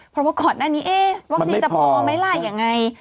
เพราะว่าก่อนหน้านี้เอ๊ะวัคซีนจะพอไหมล่ะยังไง